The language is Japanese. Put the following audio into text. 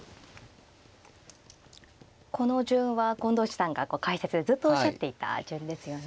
この順は近藤七段が解説でずっとおっしゃっていた順ですよね。